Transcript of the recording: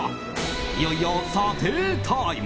いよいよ査定タイム。